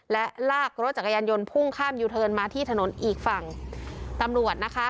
และลากรถจักรยานยนต์พุ่งข้ามยูเทิร์นมาที่ถนนอีกฝั่งตำรวจนะคะ